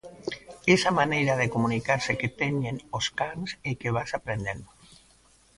Esa maneira de comunicarse que teñen os cans e que vas aprendendo.